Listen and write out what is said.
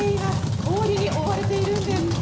氷に覆われているんです。